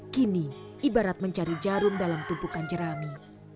kini ibarat mencari jarum dalam tumpukan jerami